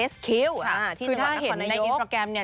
ที่จังหวัดนักควรนายโยคคือถ้าเห็นในอินโปรแกรมเนี่ย